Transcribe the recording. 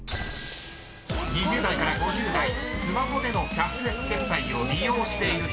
［２０代から５０代スマホでのキャッシュレス決済を利用している人］